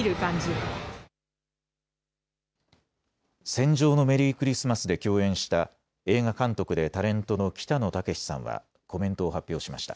戦場のメリークリスマスで共演した映画監督でタレントの北野武さんはコメントを発表しました。